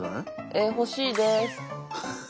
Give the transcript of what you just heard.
えっ欲しいです。